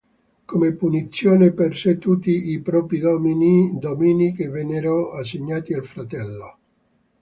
Come punizione perse tutti i propri domini che vennero assegnati al fratello.